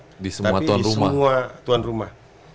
tapi di semua tuan rumah